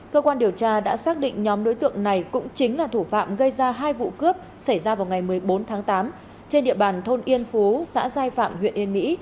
cơ quan điều tra đã xác định nhóm đối tượng này cũng chính là thủ phạm gây ra hai vụ cướp xảy ra vào ngày một mươi bốn tháng tám trên địa bàn thôn yên phú xã giai phạm huyện yên mỹ